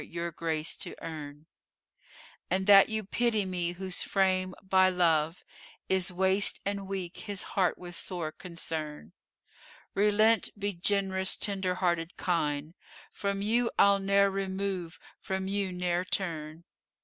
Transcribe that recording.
your grace to earn; And that you pity me whose frame by Love * Is waste and weak his heart with sore concern: Relent, be gen'rous, tender hearted, kind: * From you I'll ne'er remove, from you ne'er turn!"